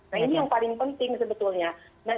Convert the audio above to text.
nah ini yang paling penting sebetulnya